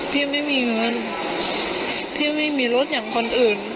พี่ไม่มีเงินพี่ไม่มีรถอย่างคนอื่น